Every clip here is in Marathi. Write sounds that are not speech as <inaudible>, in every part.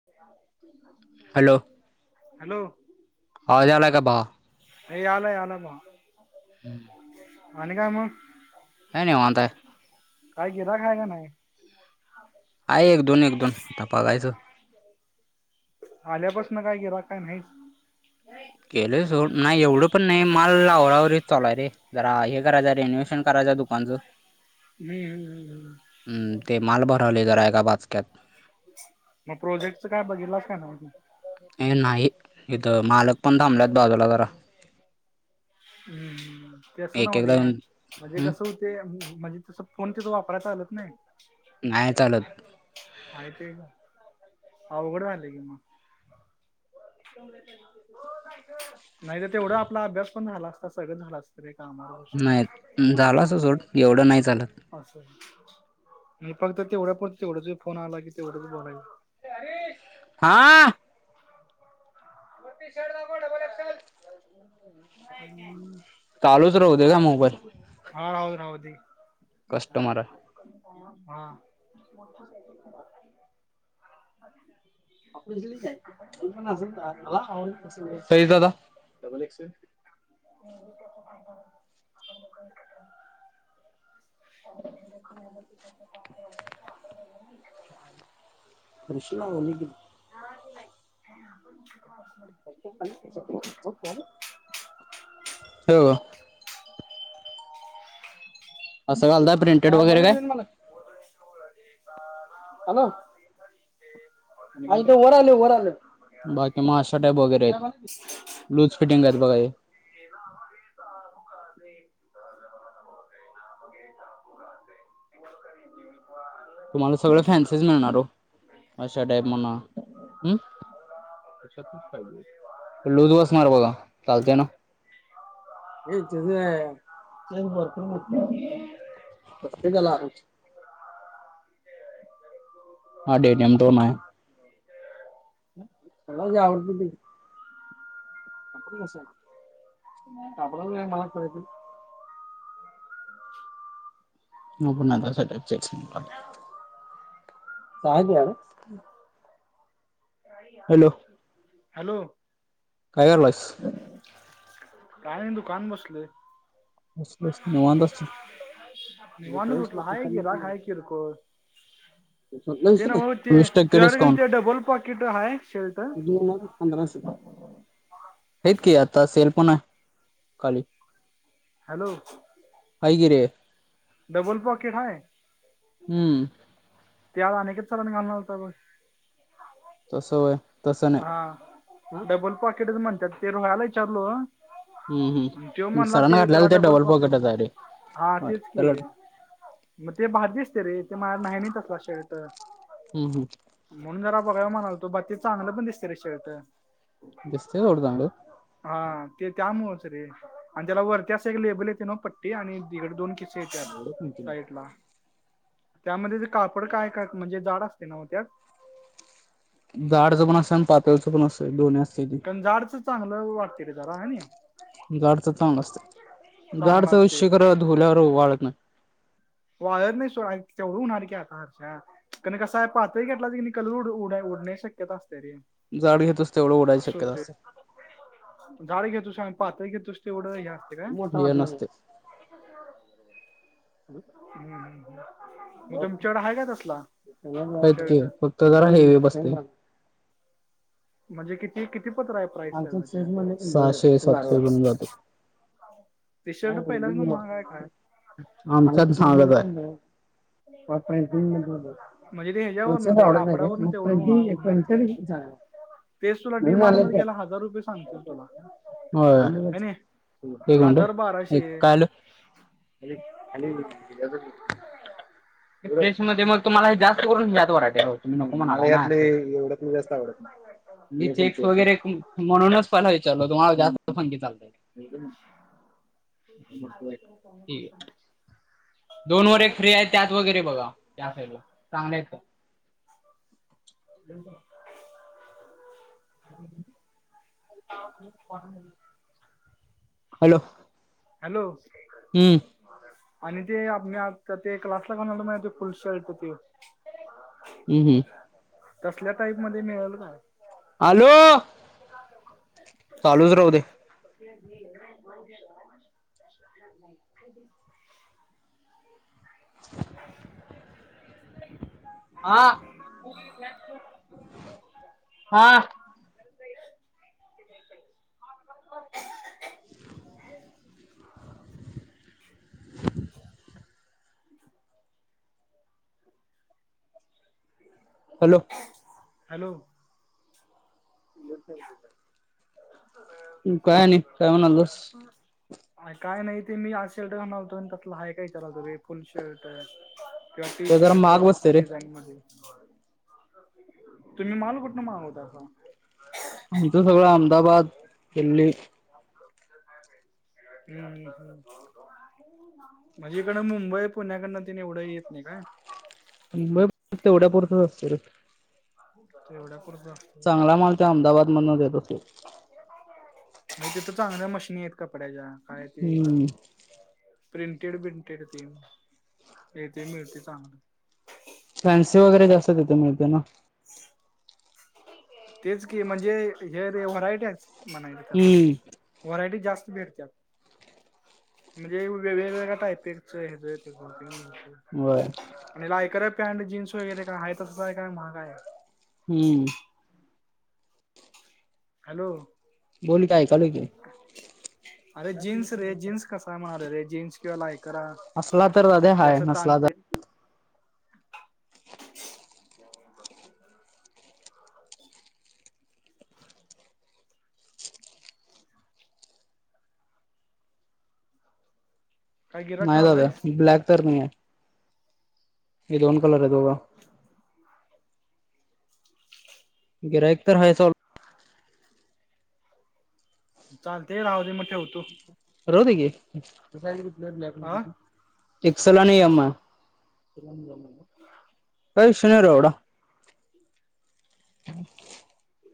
हा. हॅलो. हॅलो आवाज आलाय का भावा हे याला याला बा. हम्म. आणि काय मग काय निवांत आहे काय गिर्‍हाईक आहे का नाय? ह. आहे एक दोन एक दोन आता बघायचं. आल्यापासन काय गिऱ्हाईक काय नाहीच. गेलं सोड नाही एवढं पण नाही माल आवरा आवरी चालू आहे रे. जरा हे करायचं रेनोवे्शन करायचं दुकानचं. ह ह. हं ते माल भरालोय जरा एका बाचक्यात. मग प्रोजेक्टचं काय बघितलस का नाहि तु? हे नाही इथं मालक पण थांबल्यात बाजूला जरा. हम्म हम्म तेस असं एक एकदा नवरे येऊन म्हणजे कसं हम्म होत? ते म्हणजे तस फोन तिथ वापराय चालत नाय. नाय चालत. माहित आहे का? अवघड झालेय की मग. हं <inaudible> नाही तर तेवढा आपला अभ्यास पण झाला असता सगळंच झालं असत. तरी कामावर नाही. झालं असलं सोड एवढं नाही झालं. असं, मी फक्त तेवढ्या पूरत तेवढच मी फोन आला की तेवढच बोलायचं. अरे हरेश. हा.. चालूच राहू दे काय मोबाईल. हा हा राहूदे की. कस्टमर आहे. मोठ <inaudible> साईज दादा? Double XL. नाही फाय आप <inaudible> वाटत की आपण <inaudible> प्रश्न आवलीक <unintelligible> हा ते बाय आपण <inaudible> हॅलो! हं <inaudible> असं घालताय प्रिंटेड वगैरे काय? हॅलो! बाकी मग अशा टाईप वगैरे आहेत. लूज फिटिंग आहेत बघा हे‌. सहज नमन होते नाम घेता फुकचे <inaudible> जीवन करी जीविदवा <inaudible> तुम्हाला सगळ फॅन्सीच मिळणार हो, अशा टाईप म्हना. लुज बसणार बघा चालतेना ना. एकच आहे तेच भरपूर मोठ आहे <inaudible> प्रत्येककाला. हा डेडोडम <unintelligible> आहे मला जे आवडत ते घे. कापड मस्त आहे, कापडाच काय मला कळतंय ह <inaudible> मु पण आता <unintelligible> बात हा <inaudible> काय दिया. Hello hello! काय करायलास? काय नाही दुकानत बसलोय. बस बस. निवांत हायस. निवांत कुठलं, हाय गिराइक हाय किरकोळ. ते नव्ह ते वीस टक्के डिस्काउंट तुझ्याकडे डबल पाॅकेट हाय शर्ट? पधराशें रुपये, हायत की आता सेलपन आहे खाली. हॅलो! काय की. डबल पॉकेट हाय? हम्म त्या वेळेस अनिकेत चाळन घालणार होता बघ. तसं व्हय. हा, डबल पॉकेटच म्हनत्यात ते रोह्याला विचारलो. हम्म त्यो हम्म म्हणला सरांना ते त्याला घातलेलं डबल पॉकेट पॉकेटच म्हणून. आहे रे हा तेच त्याला कि. मग ते भारी दिसतस तरे माझंमह्या नाहीन तसला शर्ट. हम् हम. म्हणून जरा बघाया म्हणालतो बाकी चांगलं पण दिसते रे शर्ट. दिसतय सोड चांगलं. हा ते त्यामुळेच रे आणि त्याला वरती असं एक लेबल येतं नवा पट्टी आणि दीड दोन त्याच्यात साईटला. त्यामध्ये ती कापड काय काय म्हणजे जाड असतील नव्हत त्यात. जाडचं पण असतंय आन पातळच पण दोन्हीचं असतं. ते दी कारण जाडच चांगलं वाटते रे जरा ह जायचं चांगलं असतं जाड चांगला चा असते विषय खरं धुल्यावर उभा राहत नाही. वायरने सोड तेवढ होणार की अक्ष्या. कन कसा आहे पातळ घेतलास की कलर उडाय उडण्याची शक्यता असत्या रे. जाड घेतोस तेवढं उडायची शक्यता असंत्या. जाड घेतोस अन पातळ घेतोस तेवढ हे काय मोठा व्हॅन असते. हु हु मग तुमच्याकडे हाय का तसला आहेत की शर्ट. फक्त जरा हेवी बसतय. म्हणजे किती किती पतुर हाय? आमच्या साईज मध्ये सहाशे सातशे पर्यंत जातंय. खाऊन. हा दोन्ही दिलं हा मला भी सांगत आहे आठ पॉईंट टू मध्ये बघ. म्हणजे ते याच्यावरन रे ते कापडावरन तेवढं होणार की. तेच तुला डीमार्ट मध्ये गेल्यावर हजार रुपये सांगतील तुला. होय है नी एक मीनट हजार बाराशे एक काय झालं द ते खाली याच्यातच <unintelligible> मग. तुम्हाला यात जास्त करून ह्यात व्हॅरिटी आहेत तुम्ही नको म्हणायलाय <unintelligible> एवढ्यात मी चेक वगैरे उ म्हणूनच पहिला विचारलं तुम्हाला जास्त कोणती चालते. ठीक आहे <unintelligible> दोन वर एक फ्री त्यात वगैरे बघा. त्या साईडला चांगले <unintelligible> हॅलो. हॅलो. हम्म आणि ते आपलें आता ते क्लासला घालून आलतो फुल शर्ट ते. हा हा. हम्म हम्म. तसल्या टाईप मध्ये मिळेल काय. आलो. चालूच राहू दे. <unintelligible> हा. आ हा. हॅलो. हॅलो. <unintelligible> <unintelligible> काय नाही काय म्हणालस अरे काय नाही ते मी असेल तवा नव्हतो आणि कुठलं हाय काय करालतो रे फुल शर्ट आहे. किंवा ते जरा शर्ट महाग बसते असं रे डिझाईन मध्ये. तुम्ही माल कुठनं मागवतासा? आमचं सगळं अहमदाबाद, दिल्ली हुंम हुंम. म्हणजे इकडं मुंबई पुणे तेन एवढा येत नाही काय. अन बघ तेवढ्या पुरतच असतय रे तेवढ्या पुरतं असतय. चांगला माल ते अहमदाबाद मधन देता होते. नाही तिथ चांगल्या मशीनी आहेत कपड्याच्या काय ते हम्म प्रिंटेड बिनटेड ते ते मिळते चांगलं फॅन्सी वगैरे जास्त तिथे मिळते ना. तेच की म्हणजे हे रे व्हरायटी आहे म्हणायच तर हम्म व्हरायटी जास्त भेटते. म्हणजे वेगवेगळ्या टायपिंग च देणाऱ्या पायपेगच ह्याच त्याच सगळचते म्हणतोय. बर आणि ह, लायकर आहे जीन्स वगैरे का आहे तस आहे का महागआहे. हम्म. हॅलो. बोल की ऐयकालो की अरे जीन्स रे जीन्स कसा माल हे रे जीन्स किंवा लाय करा असला तर रग्या हाय नसला तर काय गिरायक नाही दादा करायलायस ब्लॅक तर नाहीय. हे दोन कलर आहेेत बघा गिरायक तर हाय चाललु चालतय राहू दे मग ठेवतो. राहूदे की हा एक् सैल आणि यम आहे अय शरीर ऐवडा ह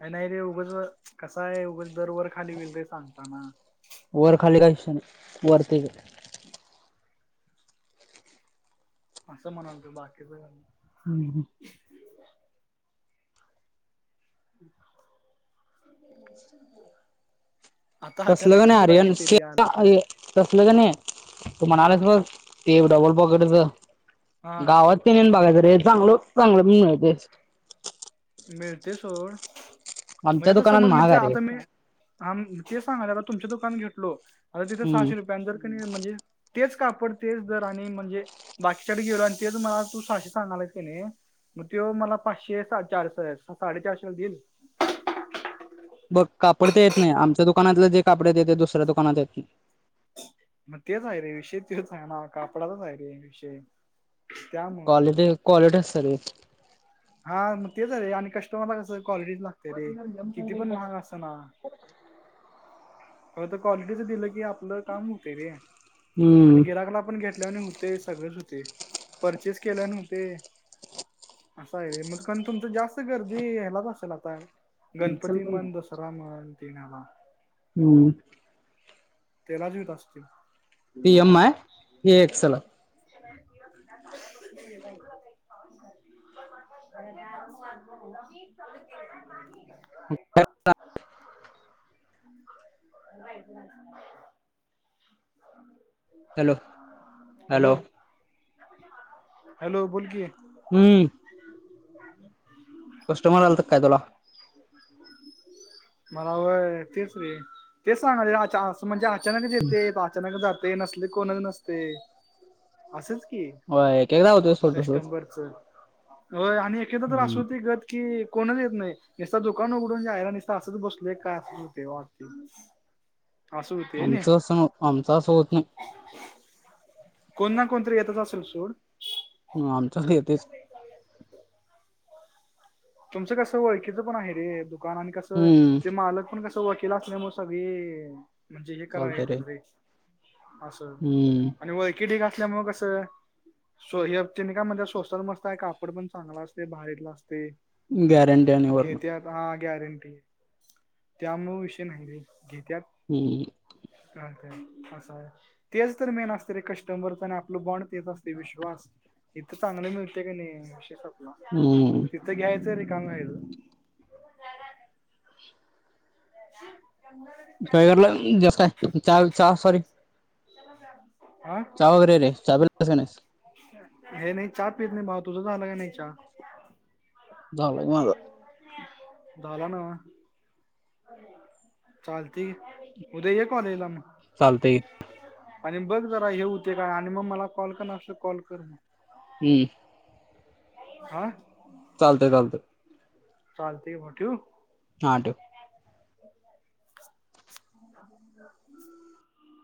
का नाही रे उगच कस आहे उगंच दर वर खाली होईल रे सांगताना वर खाली कशाला वरती घे. हं असं म्हणालतो बाकीच काय नाय. हमम हम्म. हा तसलं का नाही आर्यन येते स रे आलं तर तसलं का नाही. तू हा म्हणालास बघ ते डबल पॉकेटच हा गावात ते नेऊन बघायचं रे चांगलं चांगलं मिळते. मिळते सोड आमच्या म्हणजे दुकानात समज मी महाग ते आहे रे आता मी हा ते सांगलो आता तुमच दुकान घेतलो आता तिथे हम्म सहाशे रुपयांनी जर कानी म्हणजे तेच कापड तेच दर आणि म्हणजे बाकीच्या कडे गेलो आणि तेच मला तू सहाशे सांगालास कनी मग तो मला पाचशे चारशे साडेचारशेला देईल बघ कापड ते येत नाही आमच्या दुकानातले जे कापडे येत ते दुसऱ्या दुकानात येत नाही. मग तेच आहे रे विषय तेच आहे ना कापडाचाच आहे रे विषय त्यामुळं तर कॉलीटी कोलेट असत रे. हा मग तेच हाय रे आणि कस्टमरला कसं क्वालिटीच लागते रे. किती पण महाग असना. खर तर क्वालिटीच दिलं की आपलं काम होत रे हम्म आणि गीराकला पण घेत. घेतल्या न होते सगळेच होते परचेस केल्या न होते. असा आहे रे मग कारण तुमच जास्त गर्दी ह्यालाच असेल आता. गणपती म्हण दसरा म्हण तेनं ह्याला. हम्म. तेलाच येत असततोय. पी एम आहे हे एक्सल. ह <unintelligible> मि कामं करणार नाही. <inaudible> Hello hello. हॅलो बोल की. हम्म. <inaudible> कस्टमर आलत काय तुला? मला व्हाय तेच रे तेच सांगायलो अचा अस म्हणजे अच अचानक येते अचानक जाते. नसले कोणच नसते. असच की होय एक एकदा होतोय सोड तसंच कस्टबर हो आणि एकेकदा तर अस हम्म होती गत कि कोणच येत नाही. नसता दुकान उघडून जायला असंच बसलय काय ते वाटते. असं होते नाही आमचं असं ना आमचां असं होत नाही. कोण ना कोणतरी येतच असेल सोड. म आमचं कड येतच की. तुमचं कसं ओळखीचं पण आहे रे दुकान आणि कसं हम्म ते मालक पण कस वकेिला आपल्यामुळे सागळी म्हणजे हे करा येत्यात रे. असं हम्म आणि वळखि ढीग असल्या मुळ कसं स्व हने का म्हणजे स्वस्तात मस्त आहे कापड पण चांगला असते भारीतला असते. गॅरंट घेत्यात का गॅरंटी त्यामुळ विषय नाही रे घेतत. हम्. का कं असं आहे. तेच तर मेन असते रे कस्टमरच आणि आपलं बॉन्ड तेच असते विश्वास. इथं चांगले मिळते का नाही विशेषय संपला हम्म तिथं घ्यायचं रिकाम व्हायच. <inaudible> कायलं जास्त हाय चल चा सॉरी चला जा. चावगेरे चाल नायस. हे नाही चहा पेत नाही भाव. तुझं झालं का नाही चहा? झालाय माझा झाला ना. चालतय उद्या ये कॉलेजला मग. चालतय. आणि बघ जरा हे होते काय आणि मग मला कॉल कर न असल कॉल कर. हम्म. आ चालतय चालतय. चालतय की मगं ठेऊ. हा ठेव.